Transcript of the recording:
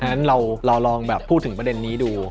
ดังนั้นเรารองพูดถึงประเด็นนี้ดู